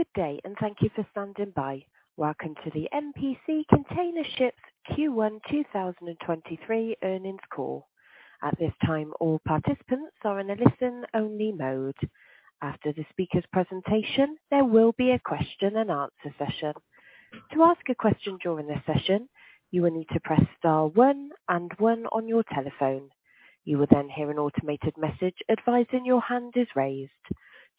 Good day and thank you for standing by. Welcome to the MPC Container Ships Q1 2023 earnings call. At this time, all participants are in a listen-only mode. After the speaker's presentation, there will be a question and answer session. To ask a question during this session, you will need to press star one and one on your telephone. You will then hear an automated message advising your hand is raised.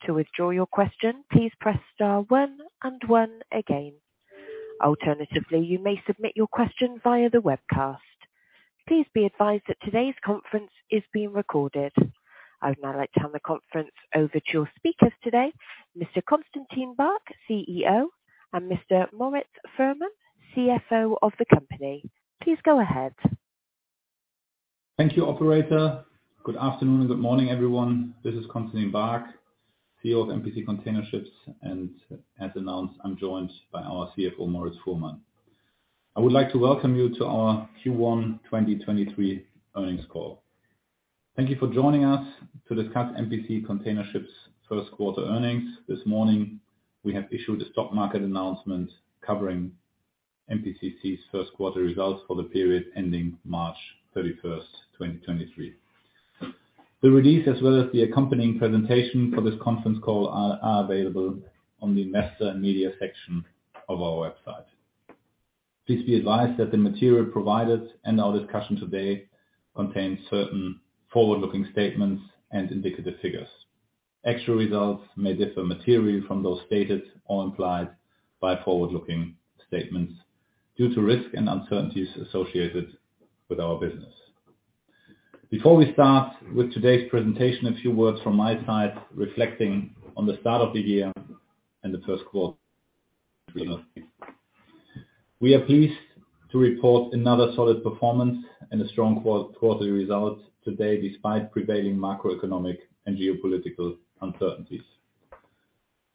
To withdraw your question, please press star one and one again. Alternatively, you may submit your question via the webcast. Please be advised that today's conference is being recorded. I would now like to hand the conference over to your speakers today, Mr. Constantin Baack, CEO, and Mr. Moritz Fuhrmann, CFO of the company. Please go ahead. Thank you, operator. Good afternoon and good morning, everyone. This is Constantin Baack, CEO of MPC Container Ships. As announced, I'm joined by our CFO, Moritz Fuhrmann. I would like to welcome you to our Q1 2023 earnings call. Thank you for joining us to discuss MPC Container Ships first quarter earnings. This morning, we have issued a stock market announcement covering MPCC's first quarter results for the period ending March 31st, 2023. The release, as well as the accompanying presentation for this conference call are available on the Investor and Media section of our website. Please be advised that the material provided and our discussion today contains certain forward-looking statements and indicative figures. Actual results may differ materially from those stated or implied by forward-looking statements due to risks and uncertainties associated with our business. Before we start with today's presentation, a few words from my side reflecting on the start of the year and the first quarter. We are pleased to report another solid performance and a strong quarterly result today, despite prevailing macroeconomic and geopolitical uncertainties.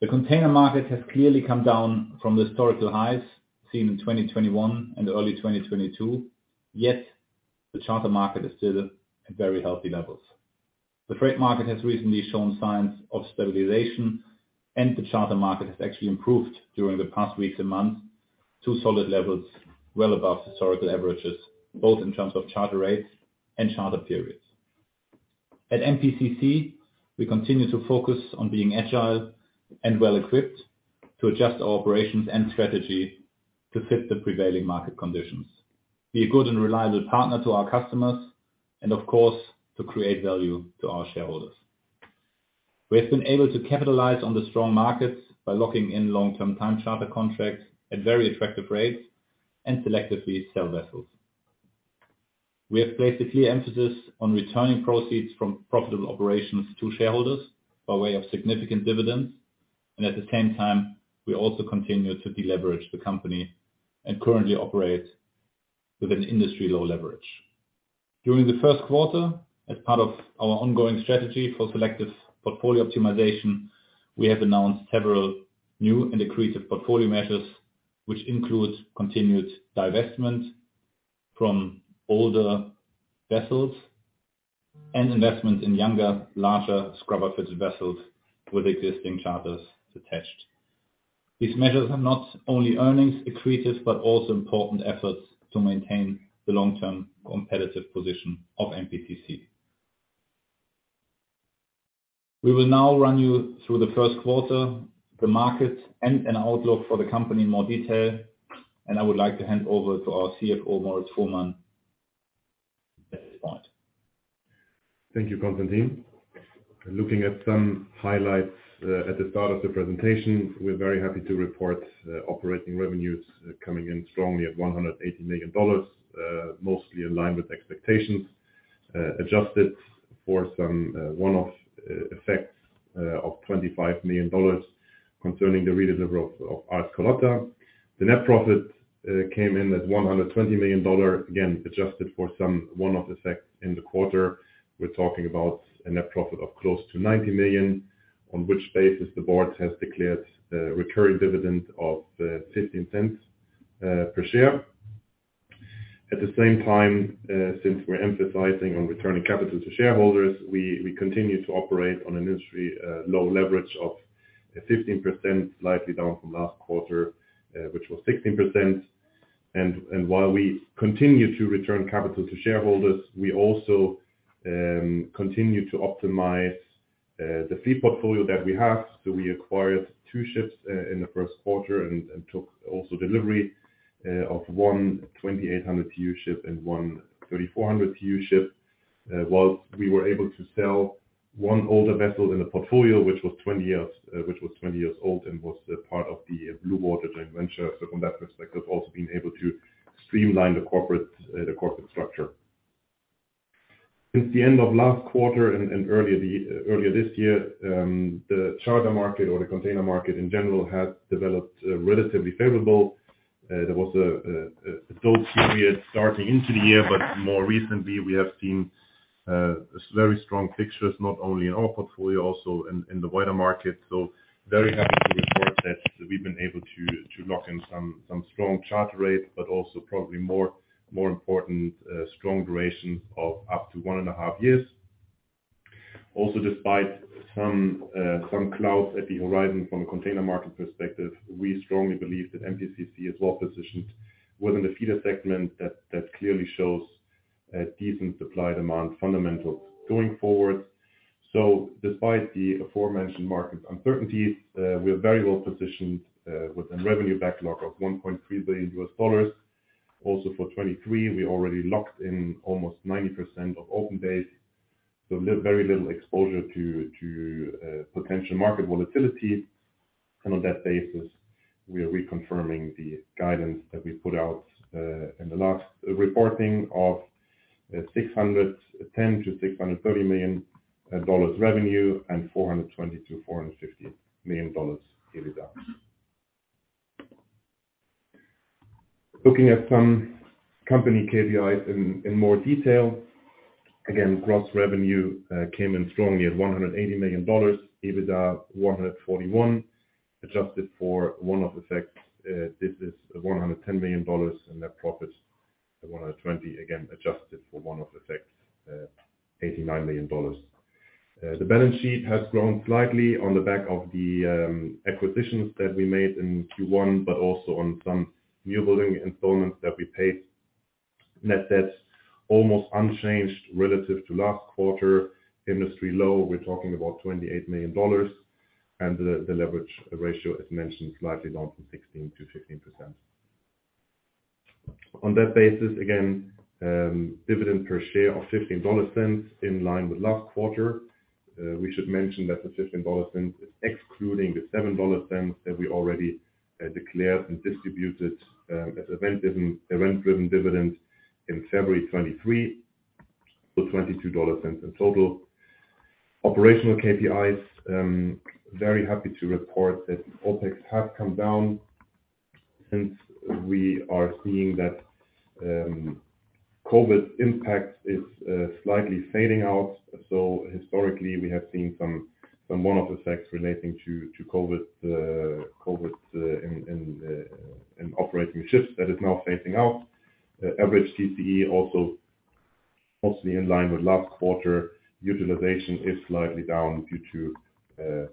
The container market has clearly come down from the historical highs seen in 2021 and early 2022, yet the charter market is still at very healthy levels. The freight market has recently shown signs of stabilization, and the charter market has actually improved during the past weeks and months to solid levels well above historical averages, both in terms of charter rates and charter periods. At MPCC, we continue to focus on being agile and well-equipped to adjust our operations and strategy to fit the prevailing market conditions. Be a good and reliable partner to our customers and of course, to create value to our shareholders. We have been able to capitalize on the strong markets by locking in long-term time charter contracts at very attractive rates and selectively sell vessels. We have placed a clear emphasis on returning proceeds from profitable operations to shareholders by way of significant dividends, and at the same time, we also continue to deleverage the company and currently operate with an industry-low leverage. During the first quarter, as part of our ongoing strategy for selective portfolio optimization, we have announced several new and accretive portfolio measures, which includes continued divestment from older vessels and investment in younger, larger scrubber-fitted vessels with existing charters attached. These measures are not only earnings accretive, but also important efforts to maintain the long-term competitive position of MPCC. We will now run you through the first quarter, the markets, and an outlook for the company in more detail, and I would like to hand over to our CFO, Moritz Fuhrmann, at this point. Thank you, Constantin. Looking at some highlights, at the start of the presentation, we're very happy to report, operating revenues coming in strongly at $180 million, mostly in line with expectations, adjusted for some one-off effects, of $25 million concerning the redelivery of AS Carlotta. The net profit came in at $120 million, again, adjusted for some one-off effects in the quarter. We're talking about a net profit of close to $90 million, on which basis the board has declared a recurring dividend of $0.15 per share. At the same time, since we're emphasizing on returning capital to shareholders, we continue to operate on an industry, low leverage of 15%, slightly down from last quarter, which was 16%. While we continue to return capital to shareholders, we also continue to optimize the fee portfolio that we have. We acquired 2 ships in the 1st quarter and took also delivery of one 2,800 TEU ship and one 3,400 TEU ship. Whilst we were able to sell one older vessel in the portfolio, which was 20 years old and was a part of the Blue Water joint venture. From that perspective, also being able to streamline the corporate structure. Since the end of last quarter and earlier this year, the charter market or the container market in general has developed relatively favorable. There was a dull period starting into the year, but more recently, we have seen some very strong fixtures, not only in our portfolio, also in the wider market. Very happy to report that we've been able to lock in some strong charter rates, but also probably more important, strong durations of up to one and a half years. Despite some clouds at the horizon from a container market perspective, we strongly believe that MPCC is well positioned within the feeder segment that clearly shows a decent supply demand fundamental going forward. Despite the aforementioned market uncertainty, we are very well positioned with a revenue backlog of $1.3 billion. For 2023, we already locked in almost 90% of open days, so very little exposure to potential market volatility. On that basis, we are reconfirming the guidance that we put out in the last reporting of $610 million-$630 million revenue and $420 million-$450 million EBITDA. Looking at some company KPIs in more detail. Again, gross revenue came in strongly at $180 million. EBITDA, $141 million, adjusted for one-off effects. This is $110 million. Net profit at $120 million, again, adjusted for one-off effects, $89 million. The balance sheet has grown slightly on the back of the acquisitions that we made in Q1, but also on some new building installments that we paid. Net debt almost unchanged relative to last quarter. Industry low, we're talking about $28 million. The leverage ratio as mentioned, slightly down from 16% to 15%. On that basis, again, dividend per share of $0.15 in line with last quarter. We should mention that the $0.15 is excluding the $0.07 that we already declared and distributed as event driven dividend in February 2023, so $0.22 in total. Operational KPIs, very happy to report that OpEx has come down since we are seeing that COVID impact is slightly fading out. Historically we have seen some one-off effects relating to COVID in operating ships that is now phasing out. Average CCE also mostly in line with last quarter. Utilization is slightly down due to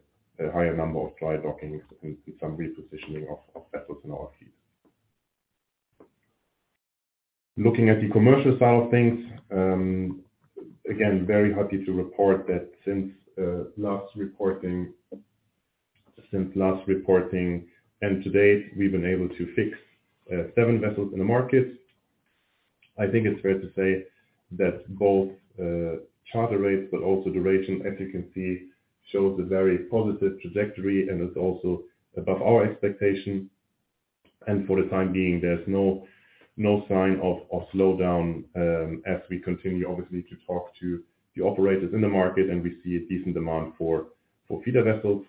a higher number of dry dockings and some repositioning of vessels in our fleet. Looking at the commercial side of things, again, very happy to report that since last reporting and to date, we've been able to fix seven vessels in the market. I think it's fair to say that both charter rates but also duration, as you can see, shows a very positive trajectory and is also above our expectation. For the time being, there's no sign of slowdown, as we continue obviously to talk to the operators in the market and we see a decent demand for feeder vessels.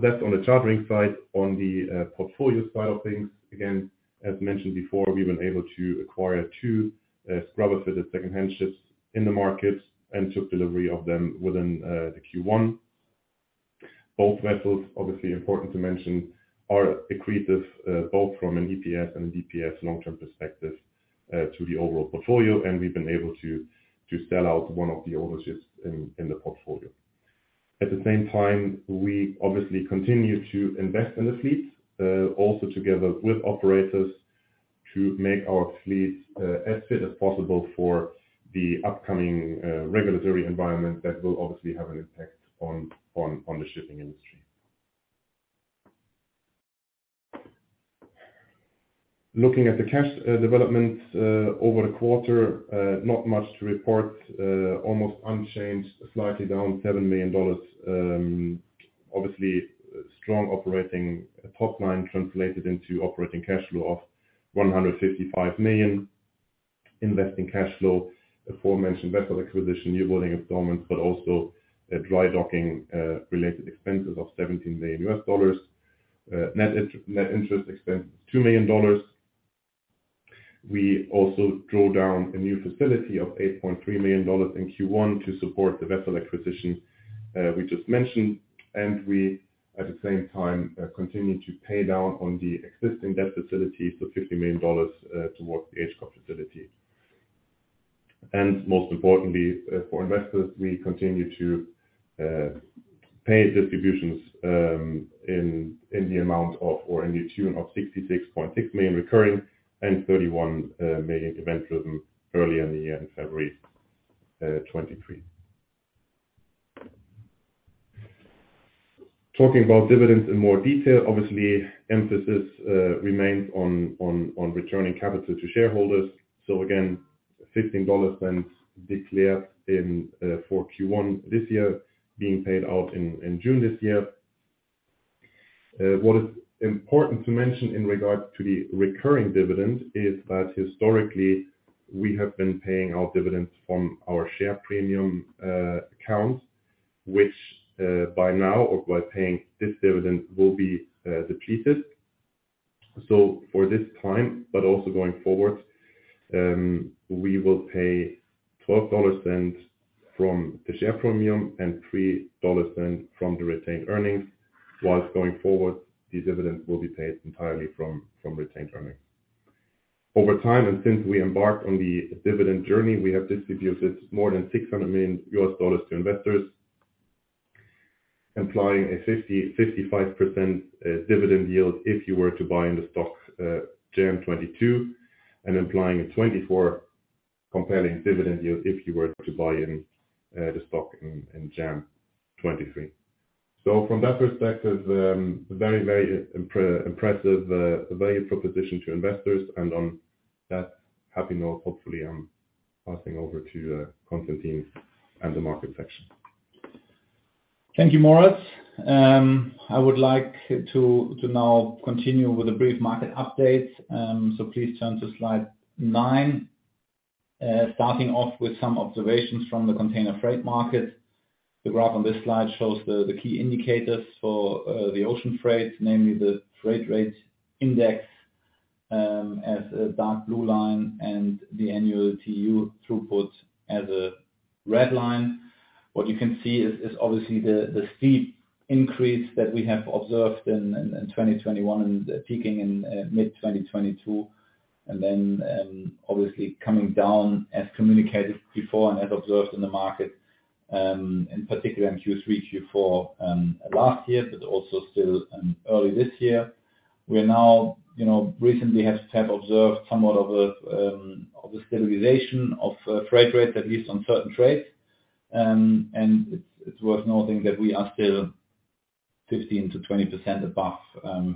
That's on the chartering side. On the portfolio side of things, again, as mentioned before, we've been able to acquire two scrubber-fitted secondhand ships in the market and took delivery of them within the Q1. Both vessels, obviously important to mention, are accretive both from an EPS and a DPS long-term perspective to the overall portfolio, and we've been able to sell out one of the older ships in the portfolio. At the same time, we obviously continue to invest in the fleet, also together with operators to make our fleet as fit as possible for the upcoming regulatory environment that will obviously have an impact on, on the shipping industry. Looking at the cash development over the quarter, not much to report. Almost unchanged, slightly down $7 million. Obviously, strong operating top line translated into operating cash flow of $155 million. Investing cash flow, aforementioned vessel acquisition, new building installments, but also dry docking related expenses of $17 million. Net interest expense, $2 million. We also draw down a new facility of $8.3 million in Q1 to support the vessel acquisition, we just mentioned. We, at the same time, continue to pay down on the existing debt facility, so $50 million towards the H Corp facility. Most importantly, for investors, we continue to pay distributions in the amount of or in the tune of $66.6 million recurring and $31 million event driven early in the year in February 2023. Talking about dividends in more detail, obviously emphasis remains on returning capital to shareholders. Again, 15 dollars cents declared in for Q1 this year being paid out in June this year. What is important to mention in regards to the recurring dividend is that historically we have been paying out dividends from our share premium account, which by now or by paying this dividend will be depleted. For this time, but also going forward, we will pay $0.12 from the share premium and $0.03 from the retained earnings, whilst going forward, these dividends will be paid entirely from retained earnings. Over time, and since we embarked on the dividend journey, we have distributed more than $600 million to investors, implying a 50%-55% dividend yield if you were to buy in the stock, Jan 2022, and implying a 24% compelling dividend yield if you were to buy in the stock in Jan 2023. From that perspective, very impressive, value proposition to investors. On that happy note, hopefully I'm passing over to Constantin and the market section. Thank you, Moritz. I would like to now continue with a brief market update. Please turn to slide 9. Starting off with some observations from the container freight market. The graph on this slide shows the key indicators for the ocean freight, namely the freight rate index, as a dark blue line and the annual TEU throughput as a red line. What you can see is obviously the steep increase that we have observed in 2021 and peaking in mid-2022 and then obviously coming down as communicated before and as observed in the market, in particular in Q3, Q4, last year, but also still early this year. We now, you know, recently have observed somewhat of a stabilization of freight rates, at least on certain trades. It's worth noting that we are still 15%-20% above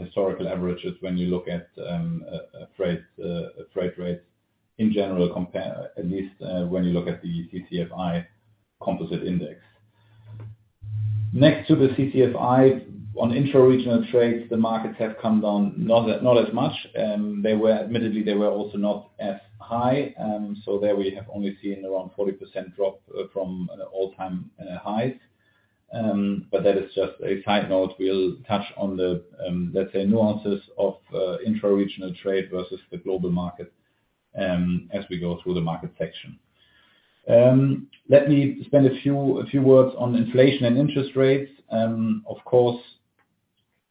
historical averages when you look at freight rates in general, at least when you look at the CCFI composite index. Next to the CCFI on intra-regional trades, the markets have come down not as much. Admittedly, they were also not as high. There we have only seen around 40% drop from an all-time highs. That is just a side note. We'll touch on the, let's say, nuances of intra-regional trade versus the global market as we go through the market section. Let me spend a few words on inflation and interest rates. Of course,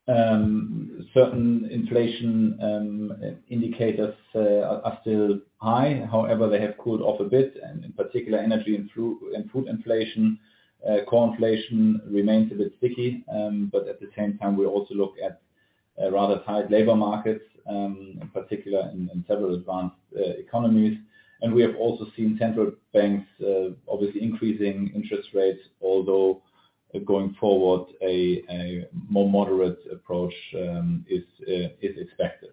certain inflation indicators are still high. However, they have cooled off a bit, and in particular, energy and food inflation. Core inflation remains a bit sticky. At the same time, we also look at a rather tight labor markets, in particular in several advanced economies. We have also seen central banks obviously increasing interest rates, although going forward a more moderate approach is expected.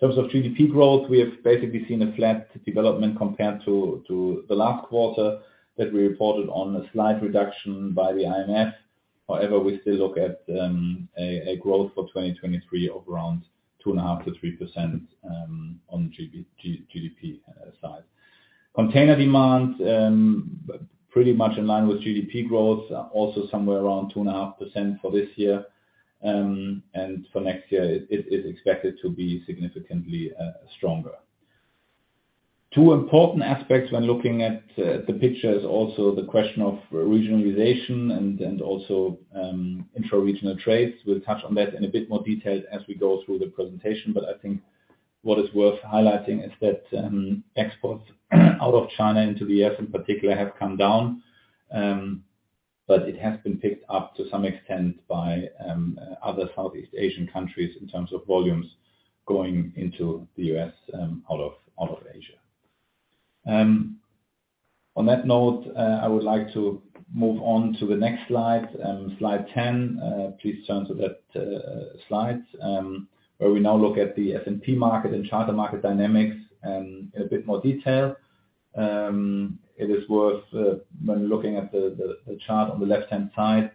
In terms of GDP growth, we have basically seen a flat development compared to the last quarter that we reported on a slight reduction by the IMF. However, we still look at a growth for 2023 of around 2.5%-3% on GDP side. Container demand pretty much in line with GDP growth, also somewhere around 2.5% for this year. For next year it is expected to be significantly stronger. Two important aspects when looking at the picture is also the question of regionalization and also intra-regional trades. We'll touch on that in a bit more detail as we go through the presentation. I think what is worth highlighting is that exports out of China into the US in particular, have come down, but it has been picked up to some extent by other Southeast Asian countries in terms of volumes going into the US out of Asia. On that note, I would like to move on to the next slide 10. Please turn to that slide, where we now look at the S&P market and charter market dynamics in a bit more detail. It is worth, when looking at the chart on the left-hand side,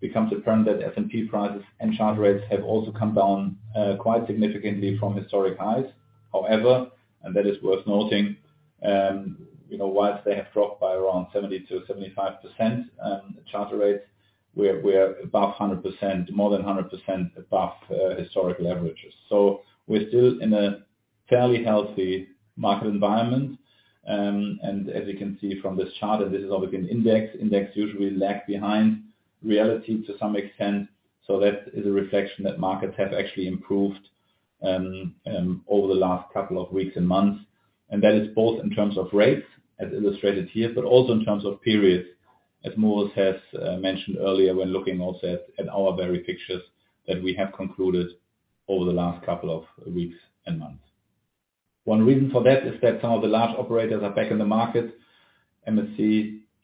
becomes apparent that S&P prices and charter rates have also come down, quite significantly from historic highs. However, that is worth noting, you know, whilst they have dropped by around 70%-75%, charter rates, we are above 100%, more than 100% above, historic averages. We're still in a fairly healthy market environment. As you can see from this chart, and this is obviously an index usually lag behind reality to some extent. That is a reflection that markets have actually improved, over the last couple of weeks and months. That is both in terms of rates as illustrated here, but also in terms of periods, as Moritz has mentioned earlier, when looking also at our very pictures that we have concluded over the last couple of weeks and months. MSC,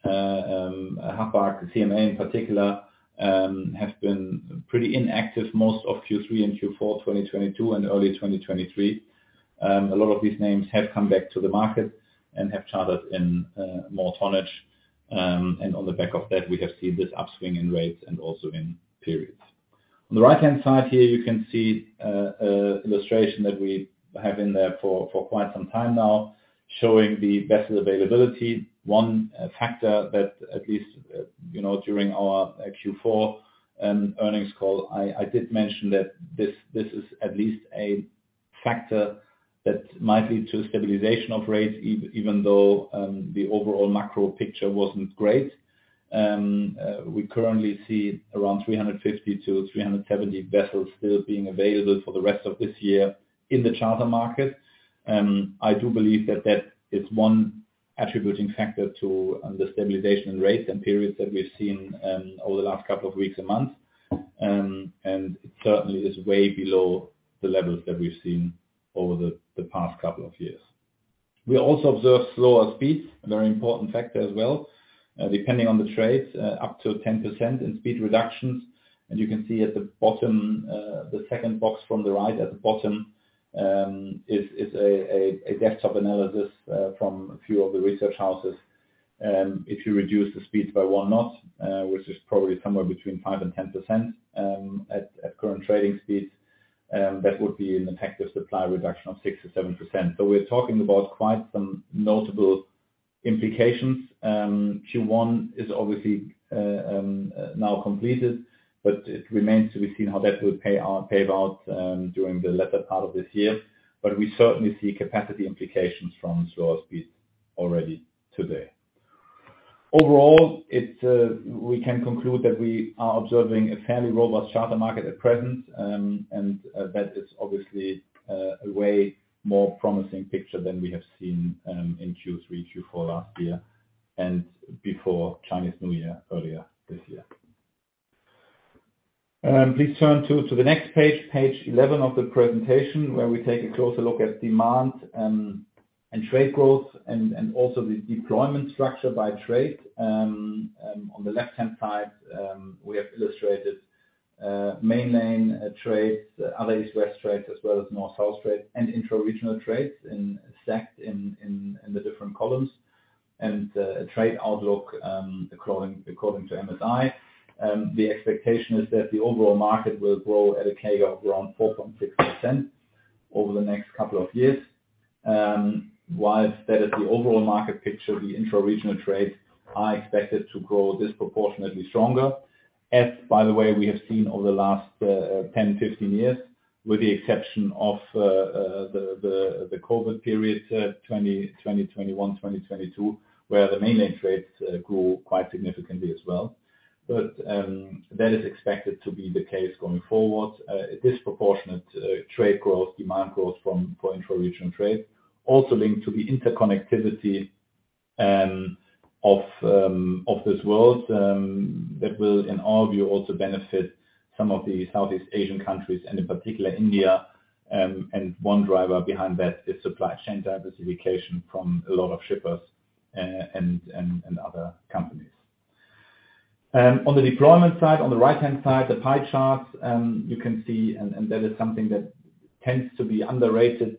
Hapag, CMA in particular, have been pretty inactive most of Q3 and Q4, 2022 and early 2023. A lot of these names have come back to the market and have chartered in more tonnage. On the back of that, we have seen this upswing in rates and also in periods. On the right-hand side here you can see a illustration that we have in there for quite some time now, showing the vessel availability. One factor that at least, you know, during our Q4 earnings call, I did mention that this is at least a factor that might lead to a stabilization of rates even though the overall macro picture wasn't great. We currently see around 350 to 370 vessels still being available for the rest of this year in the charter market. I do believe that that is one attributing factor to the stabilization rates and periods that we've seen over the last couple of weeks and months. It certainly is way below the levels that we've seen over the past couple of years. We also observe slower speeds, a very important factor as well, depending on the trades, up to 10% in speed reductions. You can see at the bottom, the second box from the right at the bottom, is a desktop analysis from a few of the research houses. If you reduce the speeds by one knot, which is probably somewhere between 5% and 10%, at current trading speeds, that would be an effective supply reduction of 6%-7%. We're talking about quite some notable implications. Q1 is obviously now completed, but it remains to be seen how that will pay out during the latter part of this year. We certainly see capacity implications from slower speeds already today. Overall, we can conclude that we are observing a fairly robust charter market at present. That is obviously a way more promising picture than we have seen in Q3, Q4 last year and before Chinese New Year, earlier this year. Please turn to the next page 11 of the presentation, where we take a closer look at demand and trade growth and also the deployment structure by trade. On the left-hand side, we have illustrated main lane trades, other East-West trades, as well as North-South trades and intra-regional trades stacked in the different columns. Trade outlook according to MSI. The expectation is that the overall market will grow at a CAGR of around 4.6% over the next couple of years. Whilst that is the overall market picture, the intra-regional trades are expected to grow disproportionately stronger. As, by the way, we have seen over the last, 10, 15 years, with the exception of, the COVID period, 2020, 2021, 2022, where the main lane trades, grew quite significantly as well. That is expected to be the case going forward. A disproportionate, trade growth, demand growth from, for intra-regional trade, also linked to the interconnectivity, of this world, that will, in our view, also benefit some of the Southeast Asian countries, and in particular India. One driver behind that is supply chain diversification from a lot of shippers, and other companies. On the deployment side, on the right-hand side, the pie charts, you can see, that is something that tends to be underrated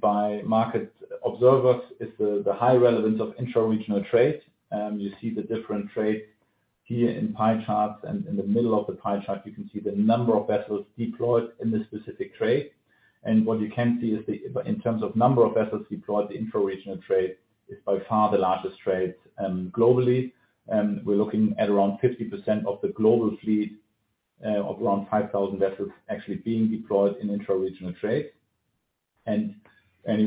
by market observers, is the high relevance of intra-regional trade. You see the different trades here in pie charts, in the middle of the pie chart, you can see the number of vessels deployed in this specific trade. What you can see is the, in terms of number of vessels deployed, the intra-regional trade is by far the largest trade globally. We're looking at around 50% of the global fleet, of around 5,000 vessels actually being deployed in intra-regional trade. You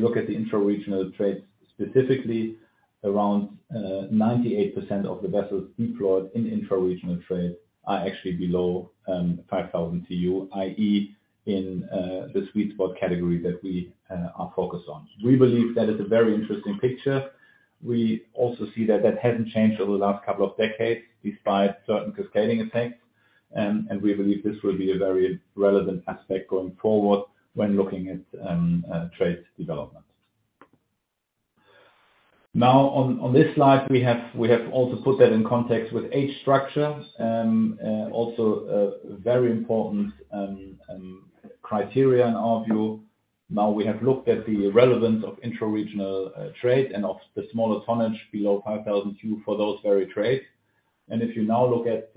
look at the intra-regional trades specifically, around 98% of the vessels deployed in intra-regional trade are actually below 5,000 TEU, i.e., in the sweet spot category that we are focused on. We believe that is a very interesting picture. We also see that that hasn't changed over the last couple of decades, despite certain cascading effects. We believe this will be a very relevant aspect going forward when looking at trade development. Now on this slide, we have also put that in context with age structure. Also a very important criteria in our view. Now we have looked at the relevance of intra-regional trade and of the smaller tonnage below 5,000 TEU for those very trades. If you now look at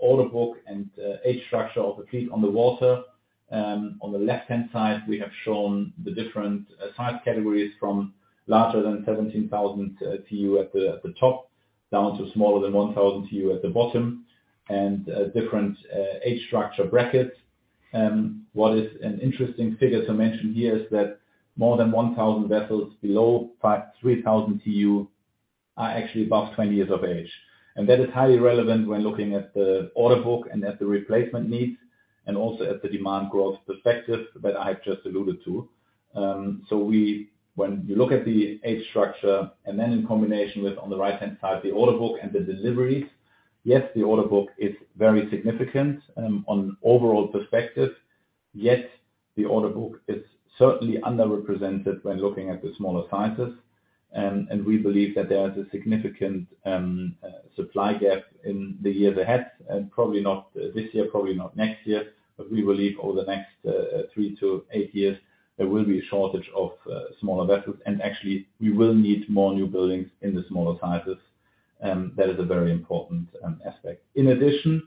order book and age structure of the fleet on the water, on the left-hand side, we have shown the different size categories from larger than 17,000 TEU at the top, down to smaller than 1,000 TEU at the bottom, and different age structure brackets. What is an interesting figure to mention here is that more than 1,000 vessels below 3,000 TEU are actually above 20 years of age. That is highly relevant when looking at the order book and at the replacement needs, and also at the demand growth perspective that I have just alluded to. When you look at the age structure, and then in combination with, on the right-hand side, the order book and the deliveries, yes, the order book is very significant on overall perspective. The order book is certainly underrepresented when looking at the smaller sizes. We believe that there is a significant supply gap in the years ahead, and probably not this year, probably not next year. We believe over the next 3-8 years, there will be a shortage of smaller vessels. Actually, we will need more new buildings in the smaller sizes. That is a very important aspect. What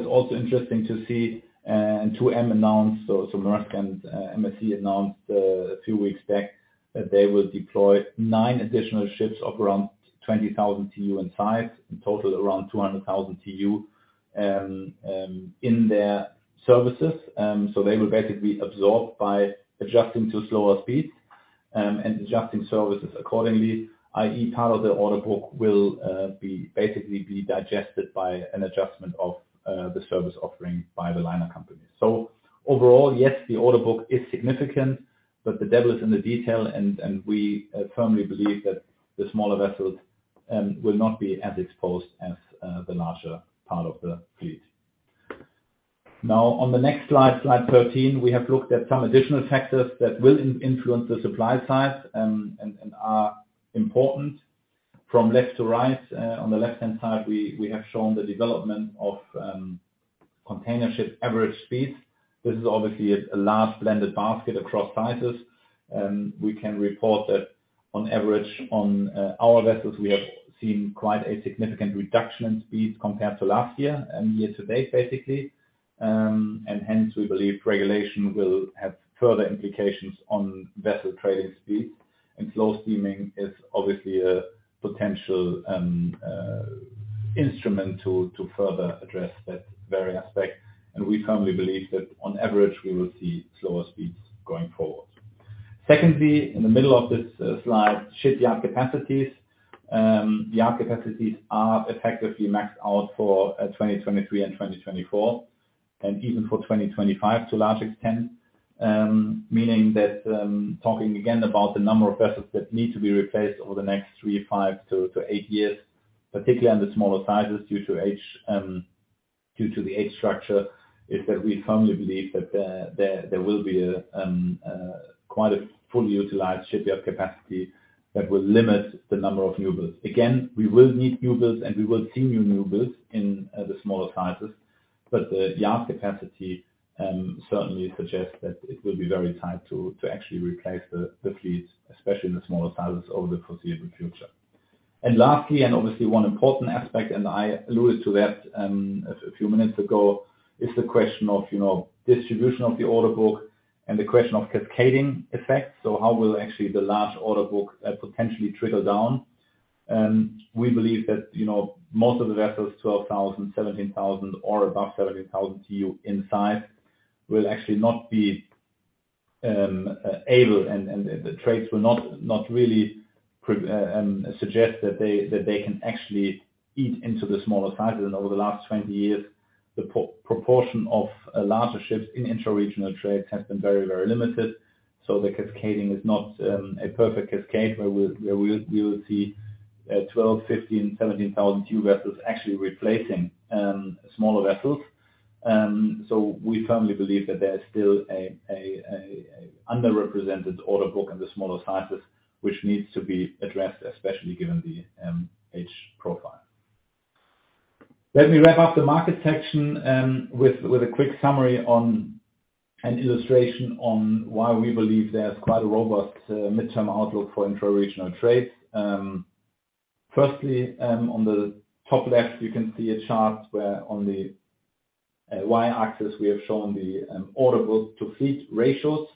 is also interesting to see, 2M announced, Maersk and MSC announced a few weeks back that they will deploy 9 additional ships of around 20,000 TEU in size, in total around 200,000 TEU in their services. They will basically absorb by adjusting to slower speeds. Adjusting services accordingly, i.e., part of the order book will basically be digested by an adjustment of the service offering by the liner company. Overall, yes, the order book is significant, but the devil is in the detail, and we firmly believe that the smaller vessels will not be as exposed as the larger part of the fleet. On the next slide 13, we have looked at some additional factors that will influence the supply side and are important. From left to right, on the left-hand side, we have shown the development of container ship average speeds. This is obviously a large blended basket across sizes. We can report that on average on our vessels, we have seen quite a significant reduction in speeds compared to last year and year to date, basically. Hence we believe regulation will have further implications on vessel trading speeds. Slow steaming is obviously a potential instrument to further address that very aspect. We firmly believe that on average, we will see slower speeds going forward. Secondly, in the middle of this slide, shipyard capacities. The yard capacities are effectively maxed out for 2023 and 2024, and even for 2025 to a large extent. Meaning that, talking again about the number of vessels that need to be replaced over the next 3 to 5 to 8 years, particularly on the smaller sizes due to age, due to the age structure, is that we firmly believe that there will be a quite a fully utilized shipyard capacity that will limit the number of newbuilds. Again, we will need newbuilds, and we will see new newbuilds in the smaller sizes. The yard capacity certainly suggests that it will be very tight to actually replace the fleet, especially in the smaller sizes over the foreseeable future. Lastly, and obviously one important aspect, and I alluded to that, a few minutes ago, is the question of, you know, distribution of the order book and the question of cascading effects. How will actually the large order book, potentially trigger down? We believe that, you know, most of the vessels, 12,000, 17,000 or above 17,000 TEU in size, will actually not be able, and the trades will not really suggest that they can actually eat into the smaller sizes. Over the last 20 years, the proportion of larger ships in intra-regional trades has been very, very limited. The cascading is not a perfect cascade where we will see, 12,000, 15,000, 17,000 TEU vessels actually replacing smaller vessels. We firmly believe that there is still a underrepresented order book in the smaller sizes, which needs to be addressed, especially given the age profile. Let me wrap up the market section with a quick summary on an illustration on why we believe there's quite a robust midterm outlook for intra-regional trades. Firstly, on the top left, you can see a chart where on the Y-axis, we have shown the order book to fleet ratios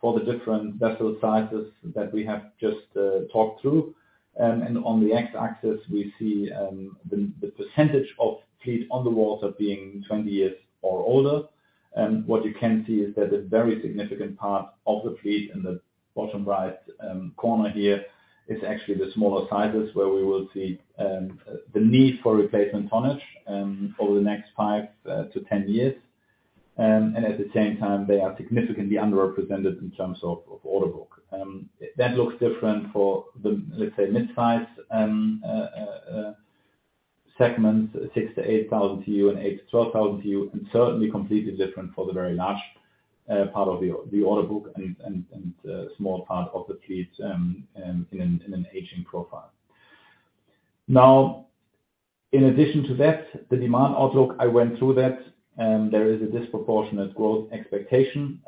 for the different vessel sizes that we have just talked through. On the X-axis, we see the percentage of fleet on the water being 20 years or older. What you can see is that a very significant part of the fleet in the bottom right corner here is actually the smaller sizes where we will see the need for replacement tonnage over the next 5 to 10 years. At the same time, they are significantly underrepresented in terms of order book. That looks different for the, let's say, mid-size segment, 6,000 to 8,000 TEU and 8,000 to 12,000 TEU, and certainly completely different for the very large part of the order book and, small part of the fleet in an aging profile. Now, in addition to that, the demand outlook, I went through that, there is a disproportionate growth expectation.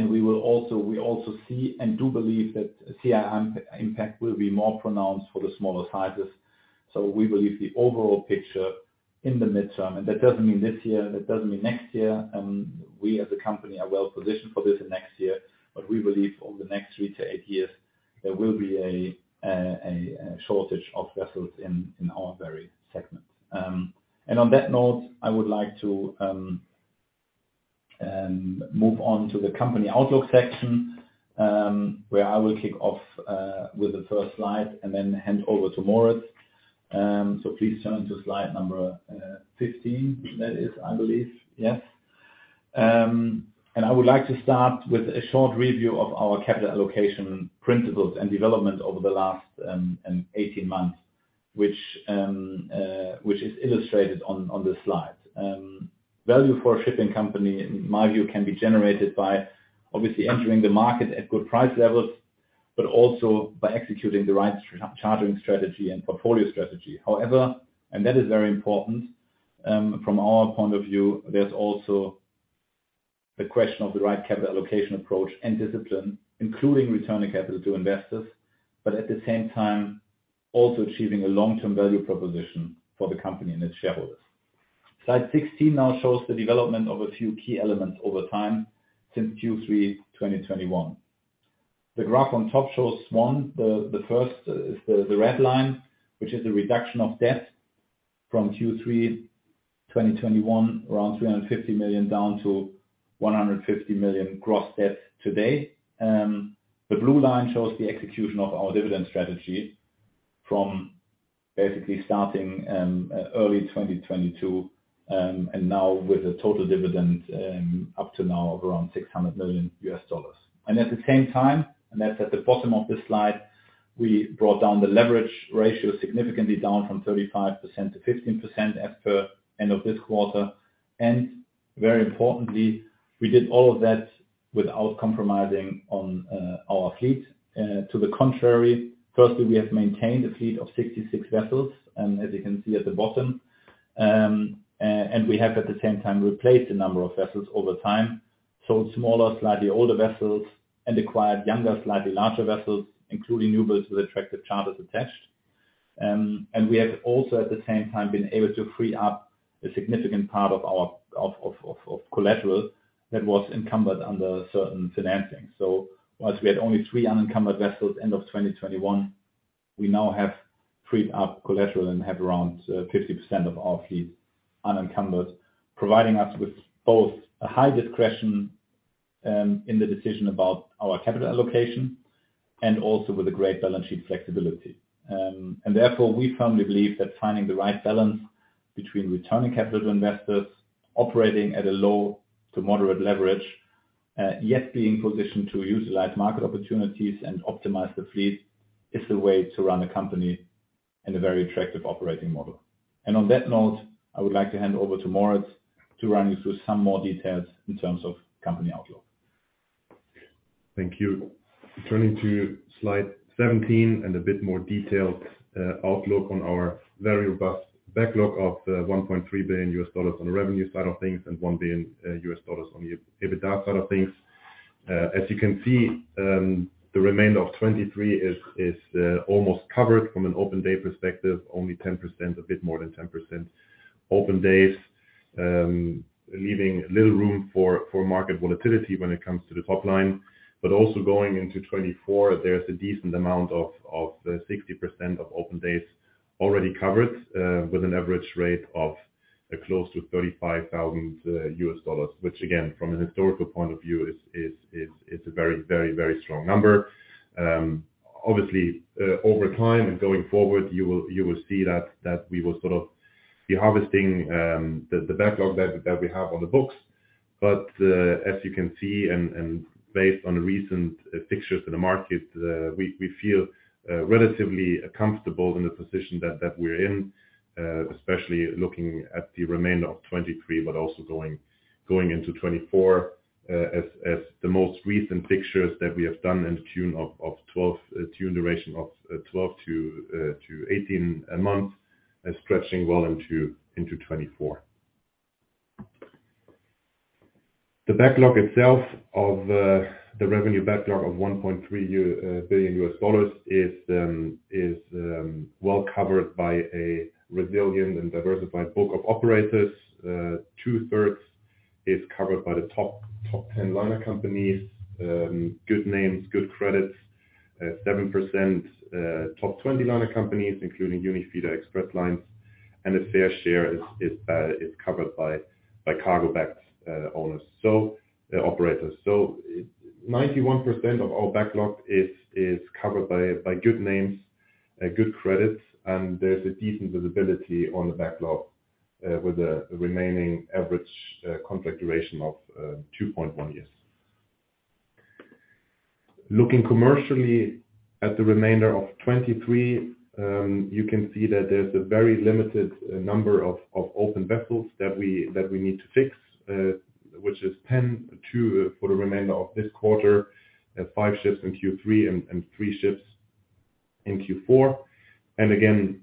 We also see and do believe that CII impact will be more pronounced for the smaller sizes. We believe the overall picture in the midterm, and that doesn't mean this year, that doesn't mean next year. We as a company are well positioned for this in next year, but we believe over the next three to eight years, there will be a shortage of vessels in our very segment. On that note, I would like to move on to the company outlook section, where I will kick off with the first slide and then hand over to Moritz. Please turn to slide number 15. That is, I believe. Yes. I would like to start with a short review of our capital allocation principles and development over the last 18 months, which is illustrated on this slide. Value for a shipping company, in my view, can be generated by obviously entering the market at good price levels, but also by executing the right charging strategy and portfolio strategy. However, and that is very important, from our point of view, there's also the question of the right capital allocation approach and discipline, including returning capital to investors, but at the same time, also achieving a long-term value proposition for the company and its shareholders. Slide 16 now shows the development of a few key elements over time since Q3 2021. The graph on top shows one, the first is the red line, which is the reduction of debt. From Q3 2021, around $350 million down to $150 million gross debt today. The blue line shows the execution of our dividend strategy from basically starting early 2022, and now with a total dividend up to now of around $600 million. At the same time, and that's at the bottom of this slide, we brought down the leverage ratio significantly down from 35% to 15% as per end of this quarter. Very importantly, we did all of that without compromising on our fleet. To the contrary, firstly, we have maintained a fleet of 66 vessels, and as you can see at the bottom. We have, at the same time, replaced a number of vessels over time. Sold smaller, slightly older vessels and acquired younger, slightly larger vessels, including new builds with attractive charters attached. We have also at the same time, been able to free up a significant part of our collateral that was encumbered under certain financing. Whilst we had only three unencumbered vessels end of 2021, we now have freed up collateral and have around 50% of our fleet unencumbered, providing us with both a high discretion in the decision about our capital allocation and also with a great balance sheet flexibility. Therefore, we firmly believe that finding the right balance between returning capital to investors, operating at a low to moderate leverage, yet being positioned to utilize market opportunities and optimize the fleet is the way to run a company and a very attractive operating model. On that note, I would like to hand over to Moritz to run you through some more details in terms of company outlook. Thank you. Turning to slide 17 and a bit more detailed outlook on our very robust backlog of $1.3 billion on the revenue side of things and $1 billion on the EBITDA side of things. As you can see, the remainder of 2023 is almost covered from an open day perspective, only 10%, a bit more than 10% open days. Leaving little room for market volatility when it comes to the top line. Also going into 2024, there's a decent amount of 60% of open days already covered with an average rate of close to $35,000, which again, from a historical point of view is a very, very, very strong number. Obviously, over time and going forward, you will see that we will sort of be harvesting the backlog that we have on the books. As you can see and based on recent fixtures in the market, we feel relatively comfortable in the position that we're in, especially looking at the remainder of 2023, but also going into 2024, as the most recent fixtures that we have done duration of 12-18 months, stretching well into 2024. The backlog itself, the revenue backlog of $1.3 billion is well covered by a resilient and diversified book of operators. Two-thirds is covered by the top 10 liner companies. Good names, good credits. 7%, top 20 liner companies, including Unifeeder Express lines, and a fair share is covered by cargo-backed owners. Operators. 91% of our backlog is covered by good names, good credits, and there's a decent visibility on the backlog with the remaining average contract duration of 2.1 years. Looking commercially at the remainder of 2023, you can see that there's a very limited number of open vessels that we need to fix, which is 10, 2 for the remainder of this quarter, 5 ships in Q3, and 3 ships in Q4. Again,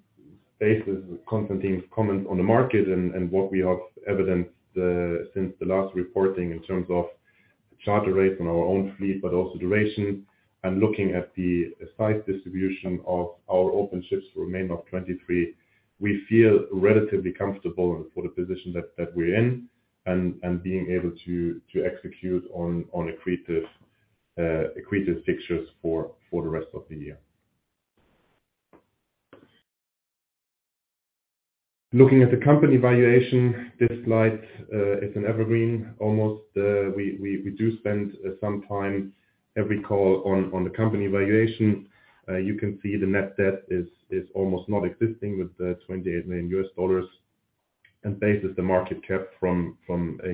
based on Constantin's comment on the market and what we have evidenced since the last reporting in terms of charter rates on our own fleet, but also duration and looking at the size distribution of our open ships for remainder of 2023, we feel relatively comfortable for the position that we're in and being able to execute on accretive fixtures for the rest of the year. Looking at the company valuation, this slide is an evergreen almost. We do spend some time every call on the company valuation. You can see the net debt is almost not existing with $28 million. Based on the market cap from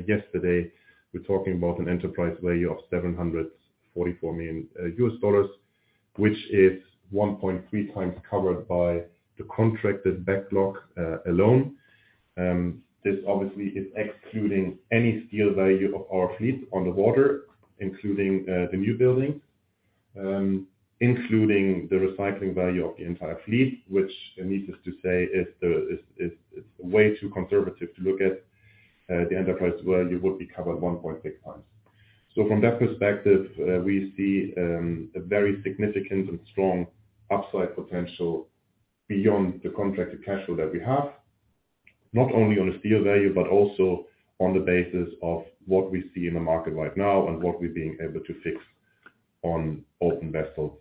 yesterday, we're talking about an enterprise value of $744 million, which is 1.3 times covered by the contracted backlog alone. This obviously is excluding any steel value of our fleet on the water, including the new building, including the recycling value of the entire fleet, which needless to say is way too conservative to look at. The enterprise value would be covered 1.6 times. From that perspective, we see a very significant and strong upside potential beyond the contracted cash flow that we have, not only on a steel value, but also on the basis of what we see in the market right now and what we're being able to fix. On open vessels,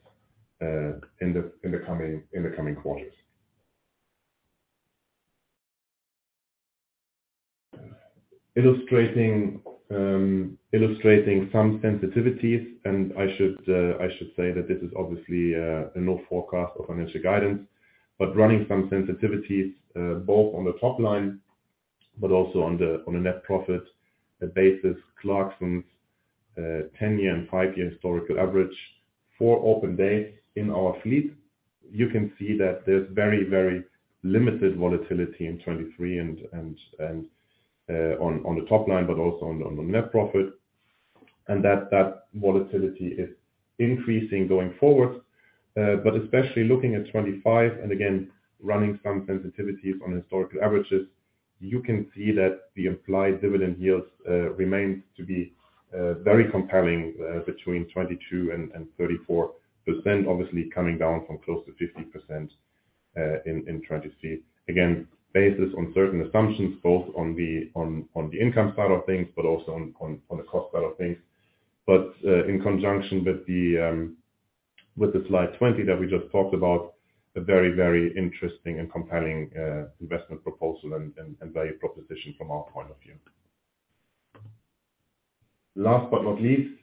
in the coming quarters. Illustrating some sensitivities, and I should say that this is obviously no forecast or financial guidance, but running some sensitivities both on the top line but also on the net profit basis. Clarksons 10-year and 5-year historical average for open days in our fleet. You can see that there's very limited volatility in 2023 on the top line, but also on the net profit, and that volatility is increasing going forward. Especially looking at 2025 and again, running some sensitivities on historical averages, you can see that the implied dividend yields remain to be very compelling, between 22%-34%. Obviously coming down from close to 50% in 2023. Again, based on certain assumptions, both on the income side of things, but also on the cost side of things. In conjunction with the slide 20 that we just talked about, a very interesting and compelling investment proposal and value proposition from our point of view. Last but not least,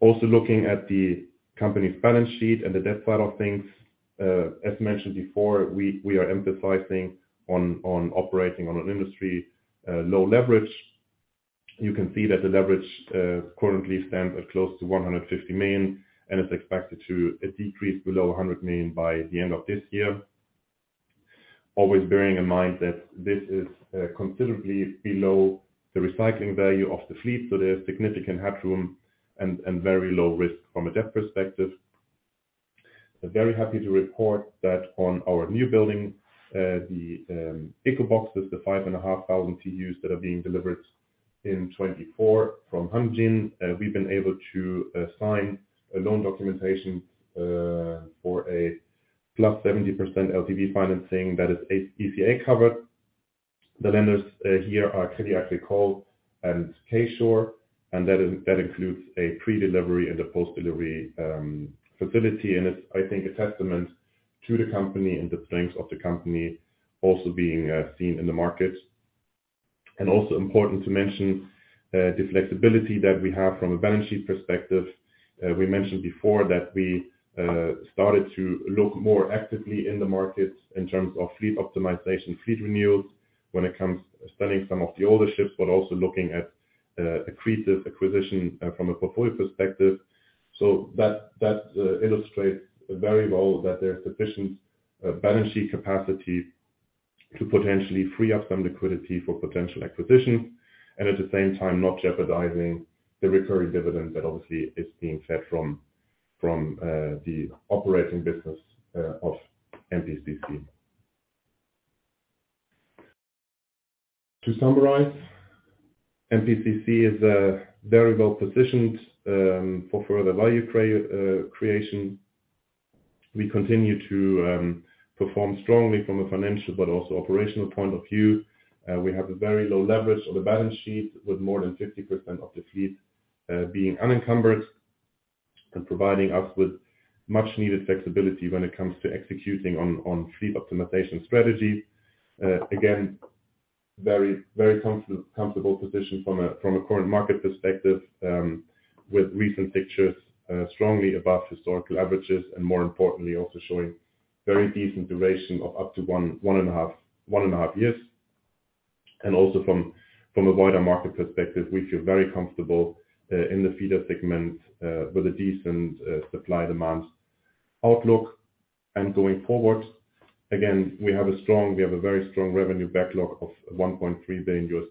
also looking at the company's balance sheet and the debt side of things. As mentioned before, we are emphasizing on operating on an industry low leverage. You can see that the leverage currently stands at close to $150 million and is expected to decrease below $100 million by the end of this year. Always bearing in mind that this is considerably below the recycling value of the fleet. There's significant headroom and very low risk from a debt perspective. We're very happy to report that on our new building, the Ecoboxes, the 5,500 TEUs that are being delivered in 2024 from Hanjin. We've been able to sign a loan documentation for a +70% LTV financing that is ECA covered. The lenders here are Korea Development Bank and K-SURE, and that includes a pre-delivery and a post-delivery facility. It's I think a testament to the company and the strengths of the company also being seen in the market. Also important to mention the flexibility that we have from a balance sheet perspective. We mentioned before that we started to look more actively in the market in terms of fleet optimization, fleet renewals when it comes to selling some of the older ships, but also looking at accretive acquisition from a portfolio perspective. That illustrates very well that there's sufficient balance sheet capacity to potentially free up some liquidity for potential acquisitions and at the same time not jeopardizing the recurring dividend that obviously is being set from the operating business of MPCC. To summarize, MPCC is very well positioned for further value creation. We continue to perform strongly from a financial but also operational point of view. We have a very low leverage on the balance sheet, with more than 50% of the fleet being unencumbered and providing us with much needed flexibility when it comes to executing on fleet optimization strategy. Again, very, very confident, comfortable position from a current market perspective, with recent pictures, strongly above historical averages and more importantly also showing very decent duration of up to 1.5 years. Also from a wider market perspective, we feel very comfortable in the feeder segment, with a decent supply demand outlook and going forward. Again, we have a very strong revenue backlog of $1.3 billion,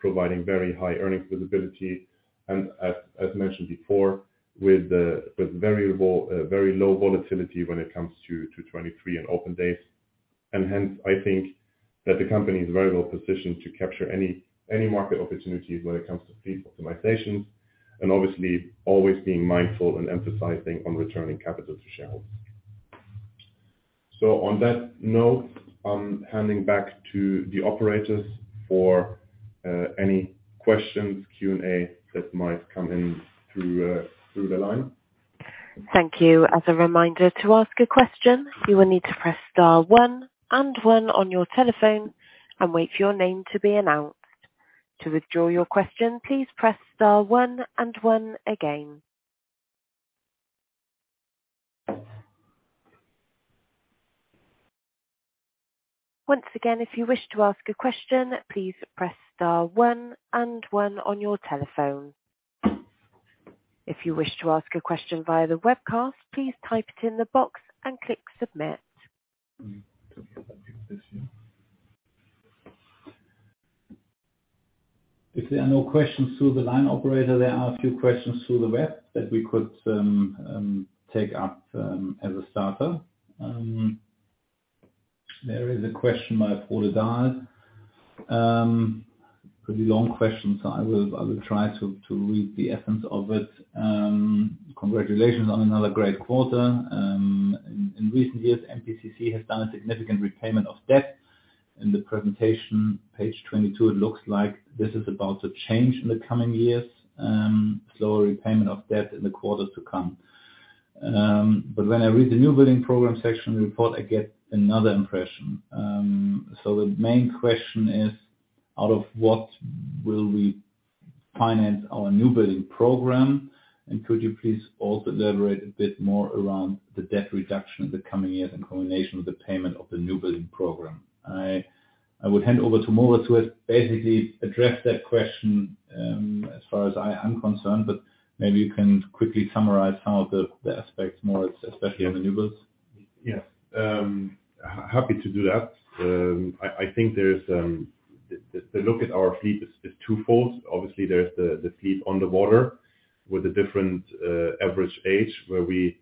providing very high earnings visibility and as mentioned before, with variable, very low volatility when it comes to 2023 and open days. Hence, I think that the company is very well positioned to capture any market opportunities when it comes to fleet optimizations and obviously always being mindful and emphasizing on returning capital to shareholders. On that note, I'm handing back to the operators for any questions, Q&A that might come in through the line. Thank you. As a reminder, to ask a question, you will need to press star one and one on your telephone and wait for your name to be announced. To withdraw your question, please press star one and one again. Once again, if you wish to ask a question, please press star one and one on your telephone. If you wish to ask a question via the webcast, please type it in the box and click submit. If there are no questions through the line operator, there are a few questions through the web that we could take up as a starter. There is a question by Pål Dahl. Pretty long question, so I will try to read the essence of it. Congratulations on another great quarter. In recent years, MPCC has done a significant repayment of debt. In the presentation, page 22, it looks like this is about to change in the coming years. Repayment of debt in the quarter to come. When I read the new building program section report, I get another impression. The main question is, out of what will we finance our new building program? Could you please also elaborate a bit more around the debt reduction in the coming years in combination with the payment of the new building program? I would hand over to Moritz, who has basically addressed that question, as far as I am concerned, but maybe you can quickly summarize some of the aspects more, especially on the new builds. Yes. happy to do that. I think there is the look at our fleet is twofold. Obviously, there's the fleet on the water with a different average age, where we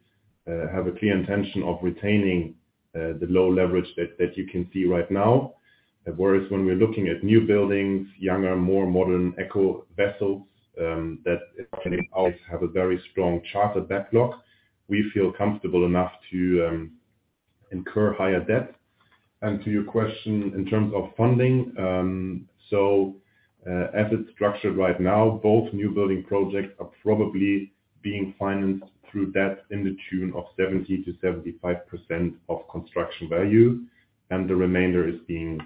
have a clear intention of retaining the low leverage that you can see right now. Whereas when we're looking at new buildings, younger, more modern Ecobox vessels, that can always have a very strong charter backlog, we feel comfortable enough to incur higher debt. To your question in terms of funding, as it's structured right now, both new building projects are probably being financed through debt in the tune of 70%-75% of construction value, and the remainder is being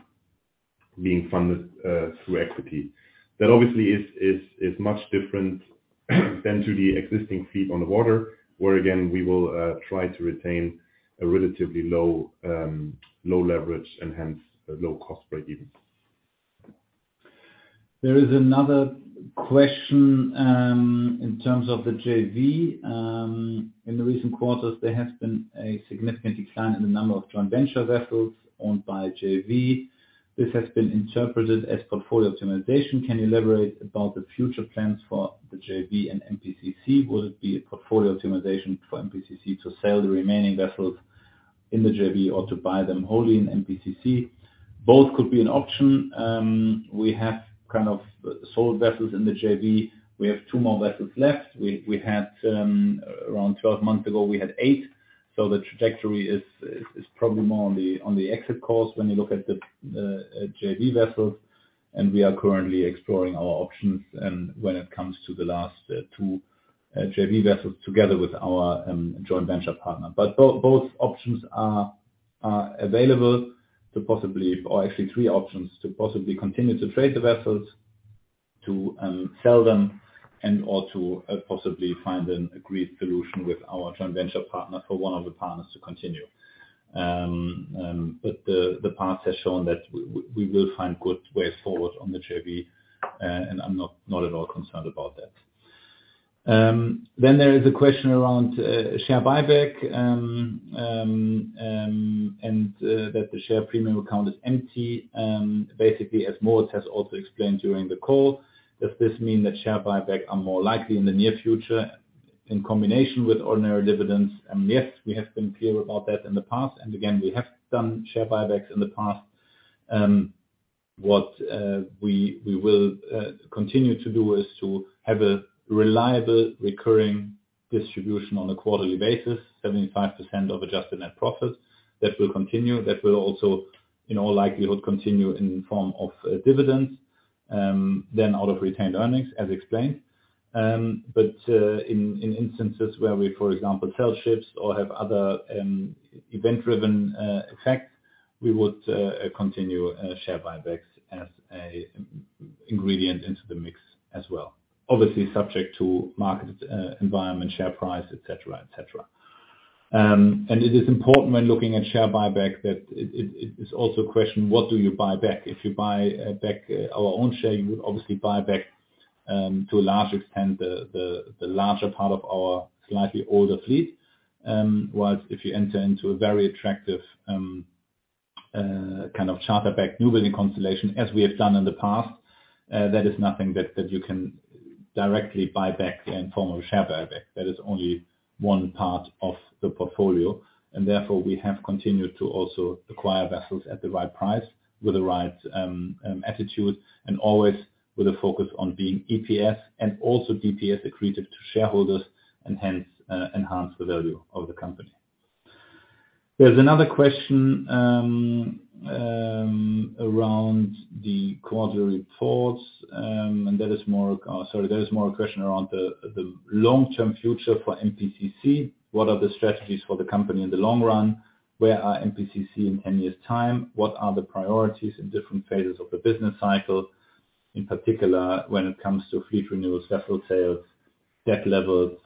funded through equity. That obviously is much different than to the existing fleet on the water, where, again, we will try to retain a relatively low, low leverage and hence a low cost break-even. There is another question in terms of the JV. In the recent quarters, there has been a significant decline in the number of joint venture vessels owned by JV. This has been interpreted as portfolio optimization. Can you elaborate about the future plans for the JV and MPCC? Will it be a portfolio optimization for MPCC to sell the remaining vessels in the JV or to buy them wholly in MPCC? Both could be an option. We have kind of sold vessels in the JV. We have 2 more vessels left. We had around 12 months ago, we had 8. The trajectory is probably more on the exit course when you look at the JV vessels. We are currently exploring our options when it comes to the last 2 JV vessels together with our joint venture partner. Both options are available to possibly, or actually three options, to possibly continue to trade the vessels, to sell them, and or to possibly find an agreed solution with our joint venture partner for one of the partners to continue. The past has shown that we will find good ways forward on the JV, and I'm not at all concerned about that. Then there is a question around share buyback, that the share premium account is empty, basically, as Moritz has also explained during the call. Does this mean that share buyback are more likely in the near future in combination with ordinary dividends? Yes, we have been clear about that in the past. Again, we have done share buybacks in the past. What we will continue to do is to have a reliable recurring distribution on a quarterly basis, 75% of adjusted net profits. That will continue. That will also, in all likelihood, continue in the form of dividends, then out of retained earnings, as explained. In instances where we, for example, sell ships or have other event-driven effect, we would continue share buybacks as a ingredient into the mix as well, obviously subject to market environment, share price, et cetera, et cetera. It is important when looking at share buyback that it is also a question, what do you buy back? If you buy back our own share, you would obviously buy back to a large extent the larger part of our slightly older fleet. If you enter into a very attractive kind of charter-backed new building constellation, as we have done in the past, that is nothing that you can directly buy back in form of share buyback. That is only one part of the portfolio. Therefore, we have continued to also acquire vessels at the right price with the right attitude, and always with a focus on being EPS and also DPS accretive to shareholders and hence, enhance the value of the company. There's another question around the quarterly reports, and that is more, sorry, that is more a question around the long-term future for MPCC. What are the strategies for the company in the long run? Where are MPCC in N years time? What are the priorities in different phases of the business cycle, in particular, when it comes to fleet renewals, vessel sales, debt levels,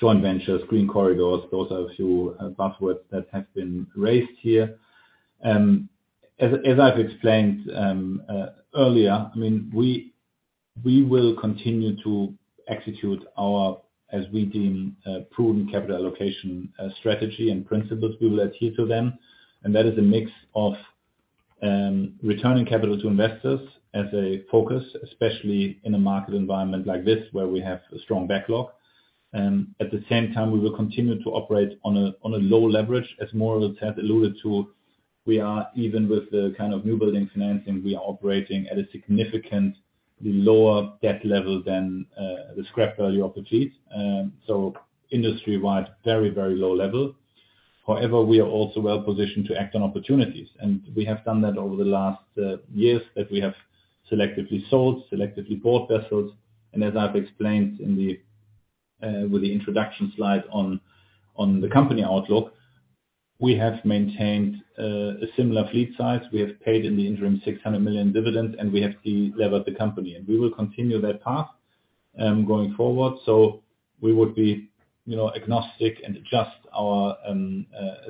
joint ventures, green corridors? Those are a few buzzwords that have been raised here. As I've explained earlier, we will continue to execute our, as we deem, proven capital allocation strategy and principles. We will adhere to them. That is a mix of returning capital to investors as a focus, especially in a market environment like this, where we have a strong backlog. At the same time, we will continue to operate on a low leverage, as Moritz has alluded to. We are, even with the kind of new building financing, we are operating at a significant lower debt level than the scrap value of the fleet. Industry-wide, very low level. However, we are also well positioned to act on opportunities, and we have done that over the last years, that we have selectively sold, selectively bought vessels. As I've explained in the with the introduction slide on the company outlook, we have maintained a similar fleet size. We have paid in the interim $600 million dividends, and we have de-levered the company. We will continue that path going forward. We would be, you know, agnostic and adjust our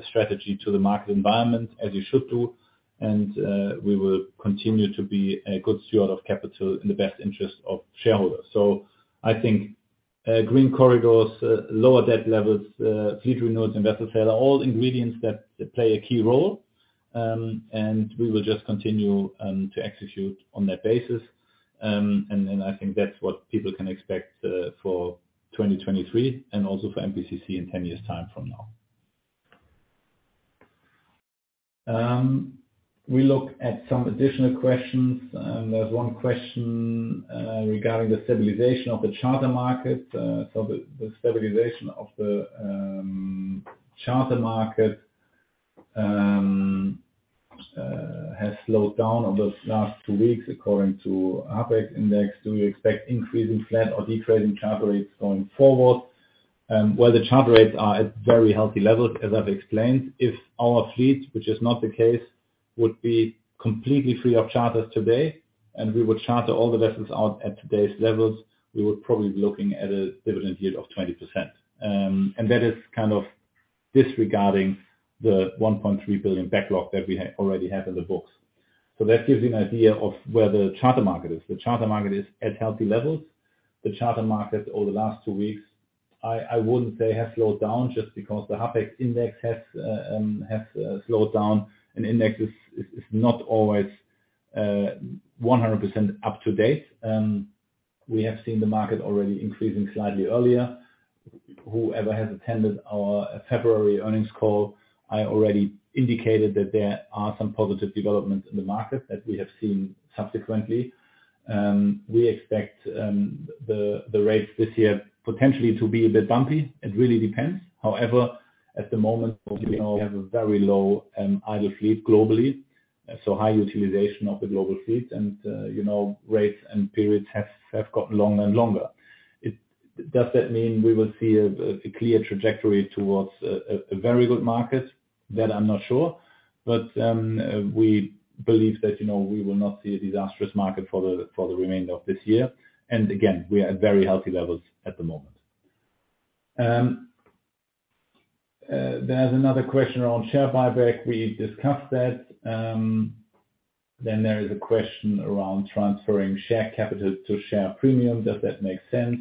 strategy to the market environment as you should do. We will continue to be a good steward of capital in the best interest of shareholders. I think green corridors, lower debt levels, fleet renewals, and vessel sale are all ingredients that play a key role. We will just continue to execute on that basis. I think that's what people can expect for 2023 and also for MPCC in 10 years' time from now. We look at some additional questions. There's one question regarding the stabilization of the charter market. The stabilization of the charter market has slowed down over the last two weeks according to HARPEX index. Do we expect increasing flat or decreasing charter rates going forward? Well, the charter rates are at very healthy levels, as I've explained. If our fleet, which is not the case, would be completely free of charters today, and we would charter all the vessels out at today's levels, we would probably be looking at a dividend yield of 20%. That is kind of disregarding the $1.3 billion backlog that we already have in the books. That gives you an idea of where the charter market is. The charter market is at healthy levels. The charter market over the last two weeks, I wouldn't say has slowed down just because the HARPEX index has slowed down. Index is not always 100% up to date. We have seen the market already increasing slightly earlier. Whoever has attended our February earnings call, I already indicated that there are some positive developments in the market that we have seen subsequently. We expect the rates this year potentially to be a bit bumpy. It really depends. However, at the moment, you know, we have a very low idle fleet globally, so high utilization of the global fleet. You know, rates and periods have gotten longer and longer. Does that mean we will see a clear trajectory towards a very good market? That I'm not sure. We believe that, you know, we will not see a disastrous market for the remainder of this year. Again, we are at very healthy levels at the moment. There's another question around share buyback. We discussed that. There is a question around transferring share capital to share premium. Does that make sense?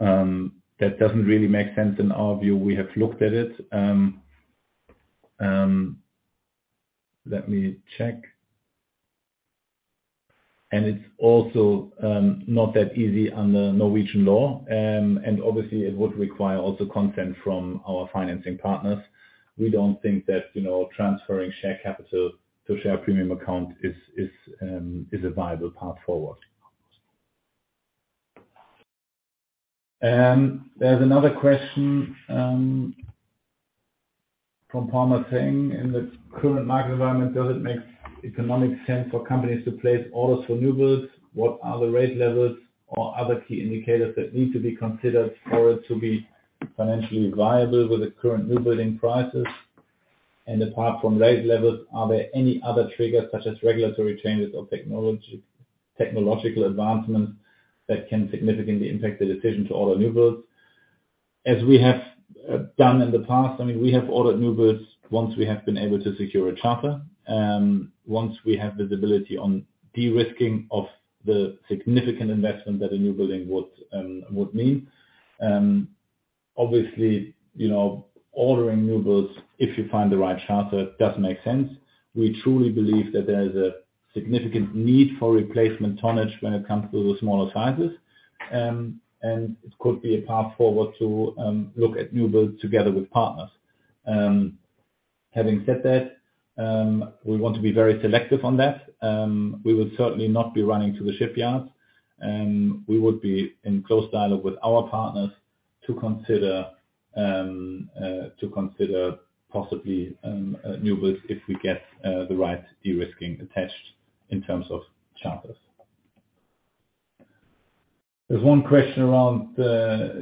That doesn't really make sense in our view. We have looked at it. Let me check. It's also not that easy under Norwegian law. Obviously it would require also consent from our financing partners. We don't think that, you know, transferring share capital to share premium account is a viable path forward. There's another question from Palmer saying, "In the current market environment, does it make economic sense for companies to place orders for new builds? What are the rate levels or other key indicators that need to be considered for it to be financially viable with the current new building prices? Apart from rate levels, are there any other triggers such as regulatory changes or technological advancements that can significantly impact the decision to order new builds?" As we have done in the past, I mean, we have ordered new builds once we have been able to secure a charter. Once we have visibility on de-risking of the significant investment that a new building would mean. Obviously, you know, ordering new builds, if you find the right charter, does make sense. We truly believe that there is a significant need for replacement tonnage when it comes to the smaller sizes. It could be a path forward to look at new builds together with partners. Having said that, we want to be very selective on that. We will certainly not be running to the shipyards. We would be in close dialogue with our partners to consider possibly new builds if we get the right de-risking attached in terms of charters. There's one question around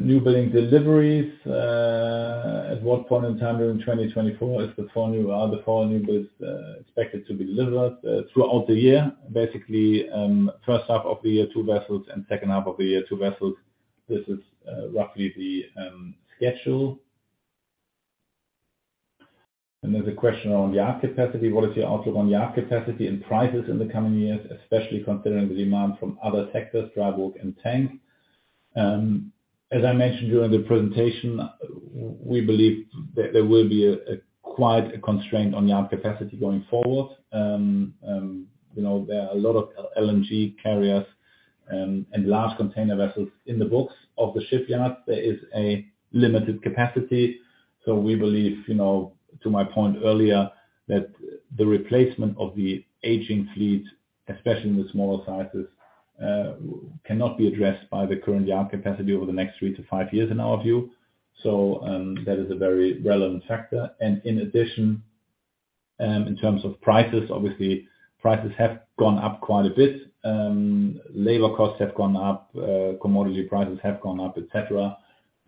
new building deliveries. At what point in time during 2024 are the 4 new builds expected to be delivered throughout the year? Basically, first half of the year, 2 vessels, and second half of the year, 2 vessels. This is roughly the schedule. There's a question around yard capacity. What is your outlook on yard capacity and prices in the coming years, especially considering the demand from other sectors, dry bulk and tank? As I mentioned during the presentation, we believe that there will be quite a constraint on yard capacity going forward. You know, there are a lot of LNG carriers and large container vessels in the books of the shipyard. There is a limited capacity, so we believe, you know, to my point earlier, that the replacement of the aging fleet, especially in the smaller sizes, cannot be addressed by the current yard capacity over the next 3-5 years, in our view. That is a very relevant factor. In addition, in terms of prices, obviously, prices have gone up quite a bit. Labor costs have gone up, commodity prices have gone up, et cetera.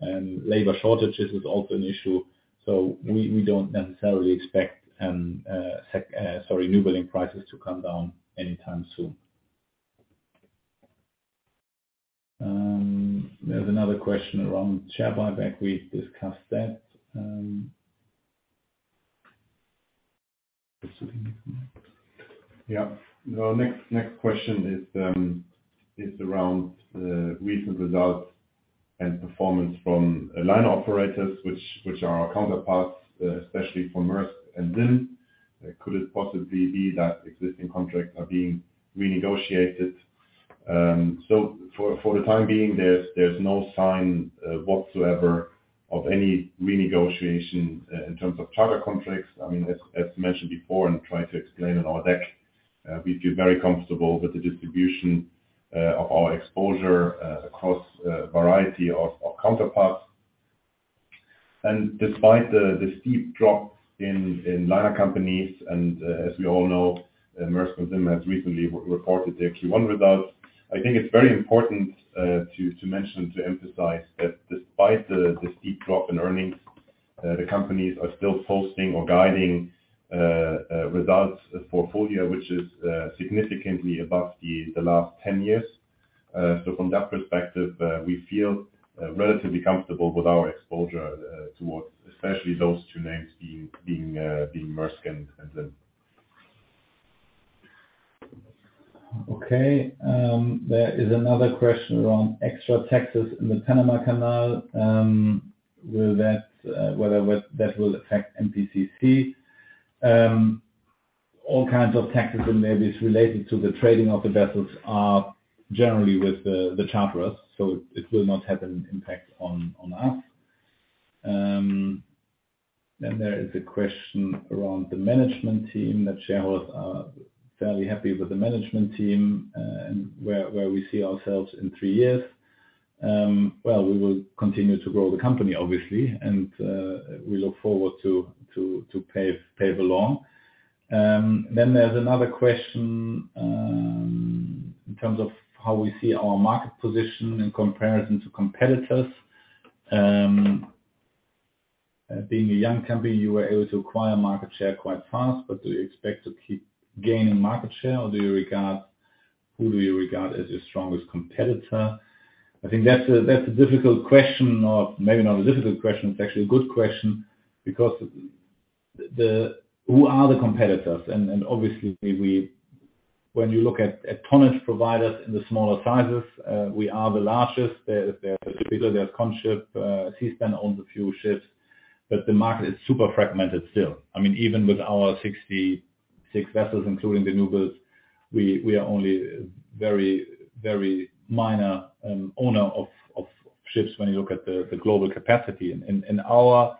Labor shortages is also an issue. We don't necessarily expect, sorry, new building prices to come down anytime soon. There's another question around share buyback. We discussed that. Yeah. The next question is around recent results and performance from liner operators, which are our counterparts, especially for Maersk and ZIM. Could it possibly be that existing contracts are being renegotiated? For the time being, there's no sign whatsoever of any renegotiation in terms of charter contracts. I mean, as mentioned before, and tried to explain in our deck, we feel very comfortable with the distribution of our exposure across a variety of counterparts. Despite the steep drop in liner companies, and as we all know, Maersk and ZIM have recently reported their Q1 results. I think it's very important to mention, to emphasize that despite the steep drop in earnings, the companies are still posting or guiding results for a full year, which is significantly above the last 10 years. From that perspective, we feel relatively comfortable with our exposure towards especially those two names being Maersk and ZIM. Okay. There is another question around extra taxes in the Panama Canal. Will that, whether that will affect MPCC. All kinds of taxes and levies related to the trading of the vessels are generally with the charterers, so it will not have an impact on us. There is a question around the management team, that shareholders are fairly happy with the management team, and where we see ourselves in 3 years. Well, we will continue to grow the company, obviously, and we look forward to pave along. There's another question, in terms of how we see our market position in comparison to competitors. Being a young company, you were able to acquire market share quite fast, do you expect to keep gaining market share, or do you regard... Who do you regard as your strongest competitor? I think that's a difficult question. Maybe not a difficult question, it's actually a good question, because who are the competitors? Obviously, when you look at tonnage providers in the smaller sizes, we are the largest. There are bigger, there's Contship, Seaspan owns a few ships, but the market is super fragmented still. I mean, even with our 66 vessels, including the newbuilds, we are only very, very minor owner of ships when you look at the global capacity. In our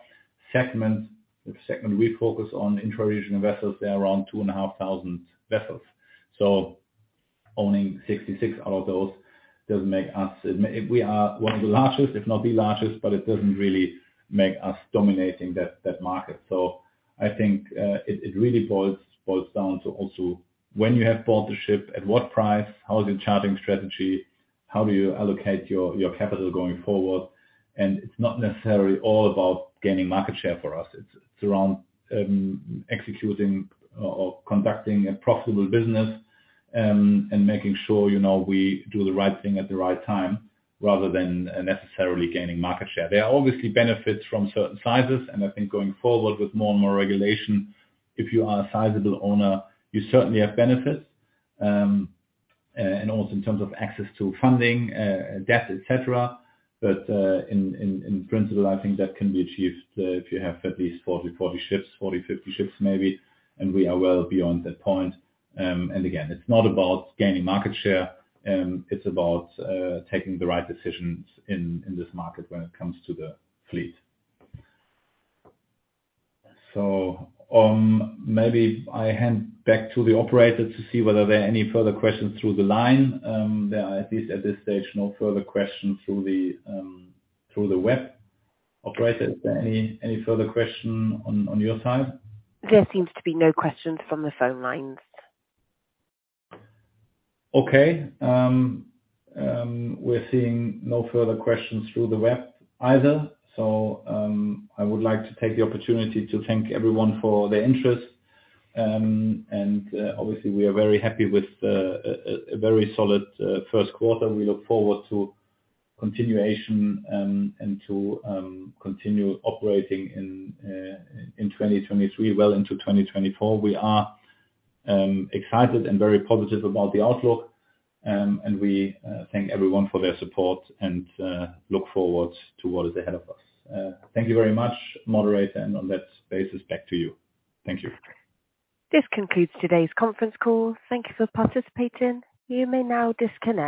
segment, the segment we focus on, intra-regional vessels, there are around 2,500 vessels. Owning 66 out of those doesn't make us... We are one of the largest, if not the largest, but it doesn't really make us dominating that market. I think, it really boils down to also when you have bought the ship, at what price, how is your charting strategy, how do you allocate your capital going forward? It's not necessarily all about gaining market share for us. It's around executing or conducting a profitable business, and making sure, you know, we do the right thing at the right time, rather than necessarily gaining market share. There are obviously benefits from certain sizes, and I think going forward with more and more regulation, if you are a sizable owner, you certainly have benefits. Also in terms of access to funding, debt, et cetera. In principle, I think that can be achieved if you have at least 40 ships, 40-50 ships maybe, and we are well beyond that point. And again, it's not about gaining market share, it's about taking the right decisions in this market when it comes to the fleet. Maybe I hand back to the operator to see whether there are any further questions through the line. There are, at this stage, no further questions through the web. Operator, is there any further question on your side? There seems to be no questions from the phone lines. Okay. we're seeing no further questions through the web either. I would like to take the opportunity to thank everyone for their interest. Obviously we are very happy with a very solid first quarter. We look forward to continuation and to continue operating in 2023, well into 2024. We are excited and very positive about the outlook, we thank everyone for their support and look forward to what is ahead of us. Thank you very much, moderator, and on that basis, back to you. Thank you. This concludes today's conference call. Thank you for participating. You may now disconnect.